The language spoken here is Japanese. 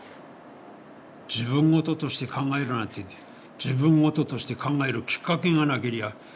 自分ごととして考えるなんていって自分ごととして考えるきっかけがなけりゃ